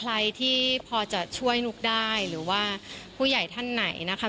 ใครที่พอจะช่วยนุ๊กได้หรือว่าผู้ใหญ่ท่านไหนนะคะ